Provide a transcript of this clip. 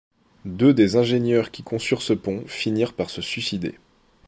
Deux des ingénieurs qui conçurent ce pont finirent par se suicider.